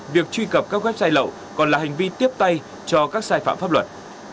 việc truy cập các website lậu còn là hành vi tiếp tay cho các sai phạm pháp luật